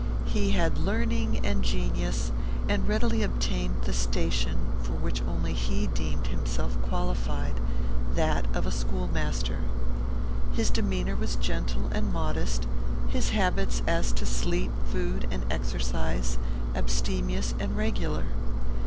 He had learning and genius, and readily obtained the station for which only he deemed himself qualified; that of a schoolmaster. His demeanour was gentle and modest; his habits, as to sleep, food, and exercise, abstemious and regular.